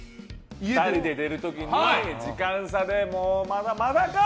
２人で出る時に時間差でまだか！